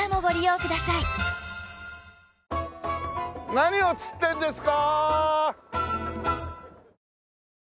何を釣ってるんですか？